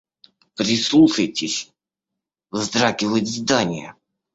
Прислушайтесь — вздрагивает здание.